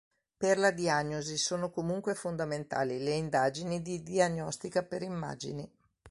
Per la diagnosi sono comunque fondamentali le indagini di diagnostica per immagini.